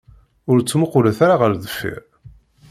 Ur ttmuqulet ara ɣer deffir.